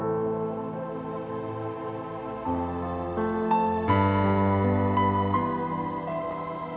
dum bapki horm menguapkan